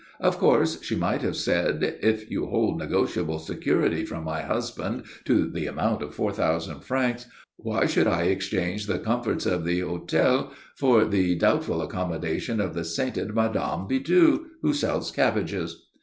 Of course she might have said: "If you hold negotiable security from my husband to the amount of four thousand francs, why should I exchange the comforts of the hotel for the doubtful accommodation of the sainted Mme. Bidoux who sells cabbages?"